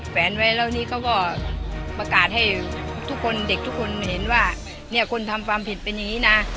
แวนไว้แล้วนี่เขาก็ประกาศให้ทุกคนเด็กทุกคนเห็นว่าเนี่ยคนทำความผิดเป็นอย่างนี้นะ